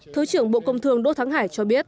thứ trưởng bộ công thương đỗ thắng hải cho biết